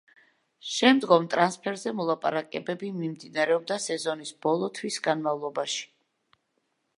შემდგომ ტრანსფერზე მოლაპარაკებები მიმდინარეობდა სეზონის ბოლო თვის განმავლობაში.